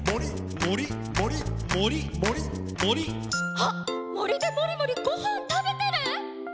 あっ森でもりもりごはん食べてる！？